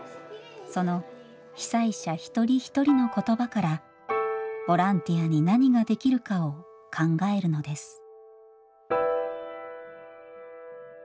その被災者一人一人の言葉からボランティアに何ができるかを考えるのです。